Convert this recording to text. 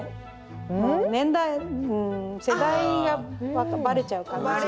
年代うん世代がバレちゃうかなあ。